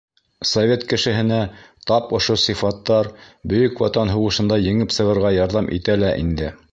Совет кешеһенә тап ошо сифаттар Бөйөк Ватан һуғышында еңеп сығырға ярҙам итә лә инде.